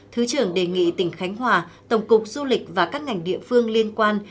thứ trưởng đề nghị tỉnh khánh hòa tổng cục du lịch và các ngành địa phương liên quan